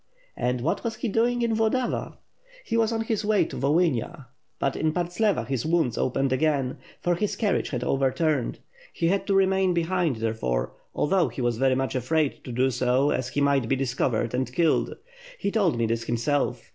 "And what was he doing in Vlodava?" "He was on his way to Volhynia but in Parcelva his wounds opened again, for his carriage had overturned. He had to remain behind, therefore; although he was very much afraid to do so, as he might be discovered and killed. He told me this himself.